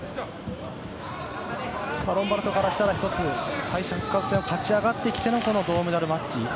ロンバルドからしたら、１つ敗者復活戦を勝ち上がってきての銅メダルマッチ。